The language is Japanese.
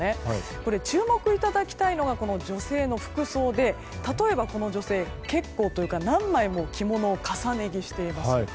注目いただきたいのが女性の服装で例えば、この女性結構というか何枚も着物を重ね着しています。